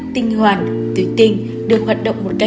tinh hoàn tuyến tinh được hoạt động một đặc biệt